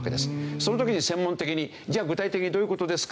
その時に専門的に「じゃあ具体的にどういう事ですか？」